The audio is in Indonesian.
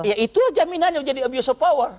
ya itu aja jaminannya jadi abuse of power